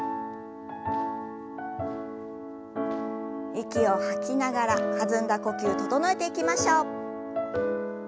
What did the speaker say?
息を吐きながら弾んだ呼吸整えていきましょう。